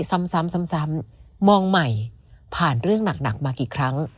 ซ้ำซ้ำมองใหม่ผ่านเรื่องหนักมากี่ครั้ง